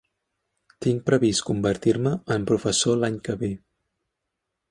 Tinc previst convertir-me en professor l'any que ve.